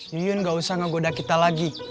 yuyun gak usah ngegoda kita lagi